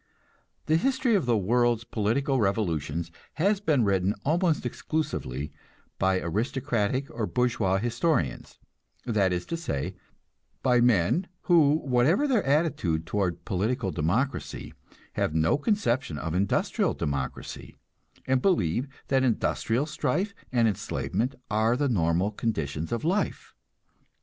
The history of the world's political revolutions has been written almost exclusively by aristocratic or bourgeois historians; that is to say, by men who, whatever their attitude toward political democracy, have no conception of industrial democracy, and believe that industrial strife and enslavement are the normal conditions of life.